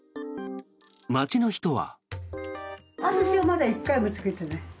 街の人は。